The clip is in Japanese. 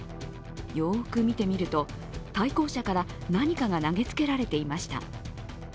よく見てみると、対向車から何かが投げつけられていました。